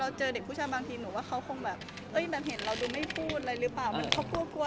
แต่พอเจอเด็กผู้ชายหนูเดียวว่าเค้าเห็นเราน่าไม่พูดแบบไม่เป็นปลอดภัย